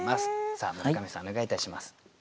さあ村上さんお願いいたします。